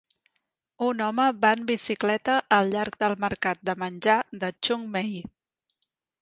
Un home va en bicicleta al llarg del mercat de menjar de Chung May